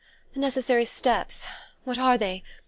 "The necessary steps: what are they?